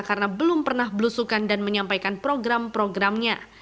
karena belum pernah belusukan dan menyampaikan program programnya